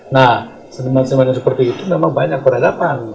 nah seniman seniman yang seperti itu memang banyak peradaban